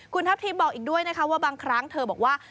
คุณทัพทิมบอกอีกด้วยนะคะว่าบางครั้งเธอบอกว่า